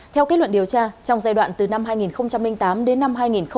theo kết luận điều tra trong giai đoạn từ năm hai nghìn tám đến năm hai nghìn một mươi